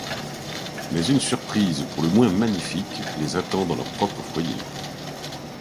Mais une surprise pour le moins magnifique les attend dans leur propre foyer...